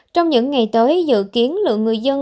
trong những ngày tới dự kiến lượng người dân